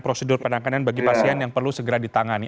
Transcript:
prosedur penanganan bagi pasien yang perlu segera ditangani